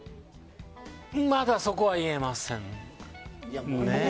まだそこは言えません。